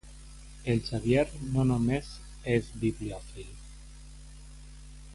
El Xavier no només és bibliòfil.